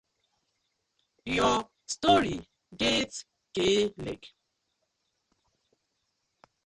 Your story get k-leg!